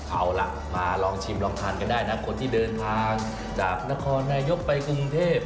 เอาล่ะมาลองชิมลองทานกันได้นะคนที่เดินทางจากนครนายกไปกรุงเทพ